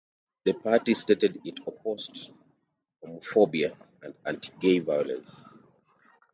The party stated it opposed "homophobia and anti-gay violence".